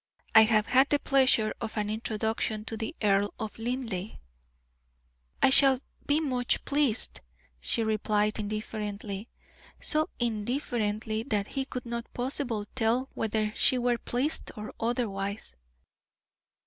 I have had the pleasure of an introduction to the Earl of Linleigh." "I shall be much pleased," she replied, indifferently so indifferently that he could not possibly tell whether she were pleased or otherwise.